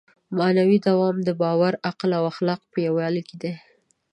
معنوي دوام د باور، عقل او اخلاقو په یووالي کې دی.